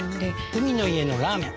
海の家のラーメン。